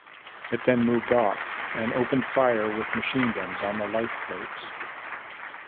It then moved off and opened fire with machine guns on the lifeboats.